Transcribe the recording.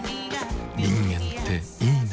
人間っていいナ。